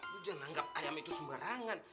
lu jangan anggap ayam itu sembarangan